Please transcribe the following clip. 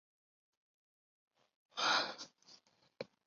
市区风速一般小于郊区。